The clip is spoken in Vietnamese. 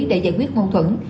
để giải quyết ngôn thuẫn